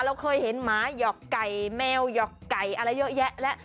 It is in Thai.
เราเคยเห็นหมาหยอกไก่แมวหยอกไก่อะไรเยอะแยะแล้ว